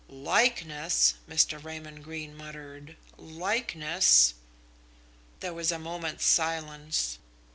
"Likeness!" Mr. Raymond Greene muttered. "Likeness!" There was a moment's silence.